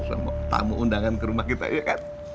sama tamu undangan ke rumah kita iya kan